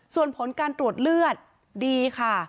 ส่วนผลการตรวจเลือดดีค่ะ